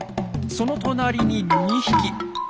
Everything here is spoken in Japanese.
その隣に２匹。